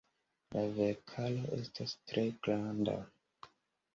La verkaro estas tre granda.